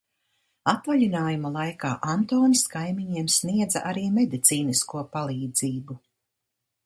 Atvaļinājuma laikā Antons kaimiņiem sniedza arī medicīnisko palīdzību.